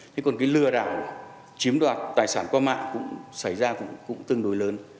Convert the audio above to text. thế còn cái lừa đảo chiếm đoạt tài sản qua mạng cũng xảy ra cũng tương đối lớn